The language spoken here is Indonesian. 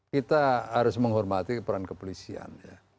kita harus menghormati peran kepolisian